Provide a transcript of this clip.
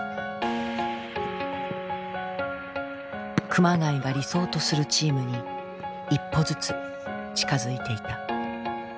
熊谷が理想とするチームに一歩ずつ近づいていた。